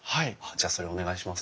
じゃあそれお願いします。